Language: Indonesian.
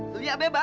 lu ya bebas